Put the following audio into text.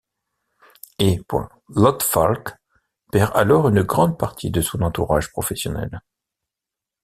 É. Lot-Falck perd alors une grande partie de son entourage professionnel.